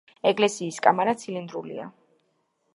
ეკლესიის კამარა ცილინდრულია.